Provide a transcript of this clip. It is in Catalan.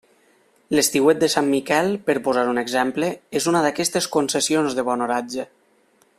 L'estiuet de Sant Miquel, per posar un exemple, és una d'aquestes concessions de bon oratge.